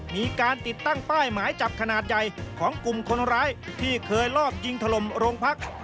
มีการติดตั้งป้ายหมายจับขนาดใหญ่ของกลุ่มคนร้ายที่เคยลอบยิงถล่มโรงพัก